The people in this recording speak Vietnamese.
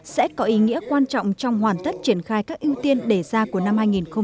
sẽ có ý nghĩa quan trọng trong hoàn tất triển khai các ưu tiên để ra của năm hai nghìn hai mươi